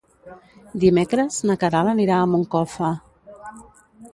Dimecres na Queralt anirà a Moncofa.